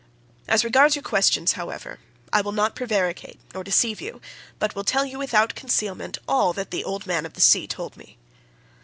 As regards your questions, however, I will not prevaricate nor deceive you, but will tell you without concealment all that the old man of the sea told me.